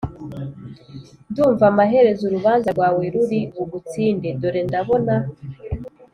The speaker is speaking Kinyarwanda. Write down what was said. “Ndumva amaherezo urubanza rwawe ruri bugutsinde. Dore ndabona